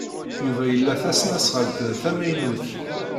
Yuba ila tasnasɣalt d tamaynut.